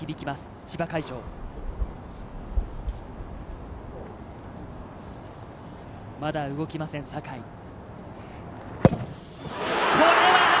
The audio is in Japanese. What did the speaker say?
まだ動きません、坂井。